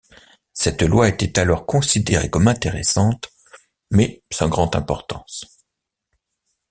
Cette loi était alors considérée comme intéressante mais sans grande importance.